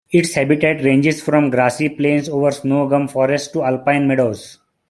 Its habitat ranges from grassy plains over snow gum forests to alpine meadows.